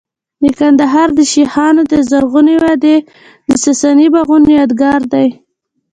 د کندهار د شیخانو د زرغونې وادۍ د ساساني باغونو یادګار دی